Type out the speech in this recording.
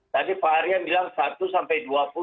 tadi pak aryan bilang satu sampai dua puluh